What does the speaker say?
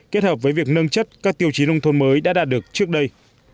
kết hợp với việc nâng chất các tiêu chí nông thôn mới đã đạt được trước đây